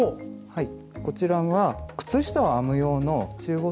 はい。